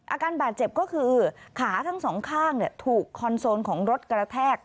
อาการบาดเจ็บก็คือขาทั้งสองข้างถูกคอนโซลของรถกระแทก